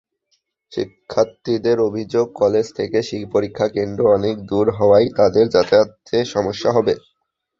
শিক্ষার্থীদের অভিযোগ, কলেজ থেকে পরীক্ষাকেন্দ্র অনেক দূর হওয়ায় তাদের যাতায়াতে সমস্যা হবে।